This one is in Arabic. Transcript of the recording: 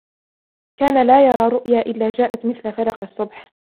كَانَ لَا يَرَى رُؤْيَا إِلَّا جَاءَتْ مِثْلَ فَلَقِ الصُّبْحِ.